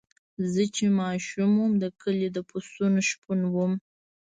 زه چې ماشوم وم د کلي د پسونو شپون وم.